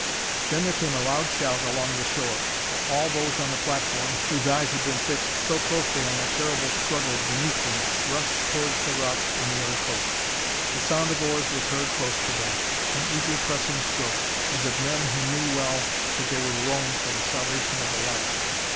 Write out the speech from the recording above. Then there came a loud shout along the shore, and all those on the platform, whose eyes had been fixed so closely on that terrible struggle beneath them, rushed towards the rocks on the other coast. The sound of oars was heard close to them,—an eager pressing stroke, as of men who knew well that they were rowing for the salvation of a life.